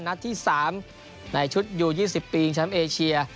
นาที๓ในชุดยู๒๐ปีชนามเอเชีย